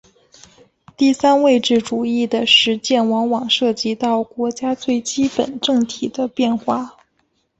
第三位置主义的实践往往涉及到国家最基本政体的变化。